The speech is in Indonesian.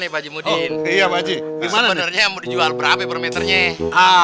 sebenarnya mau dijual berapa per meternya